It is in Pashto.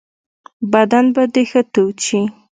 بدن به دي ښه تود شي .